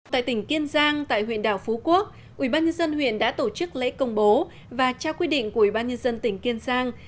tại tỉnh kiên giang tại huyện đảo phú quốc ubnd huyện đã tổ chức lễ công bố và trao quy định của ubnd tỉnh kiên giang